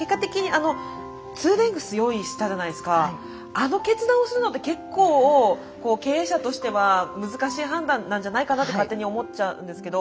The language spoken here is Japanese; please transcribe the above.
あの決断をするのって結構経営者としては難しい判断なんじゃないかなって勝手に思っちゃうんですけど。